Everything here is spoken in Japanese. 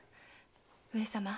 上様。